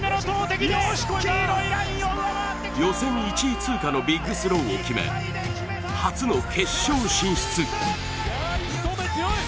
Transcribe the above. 予選１位通過のビッグスローを決め初の決勝進出。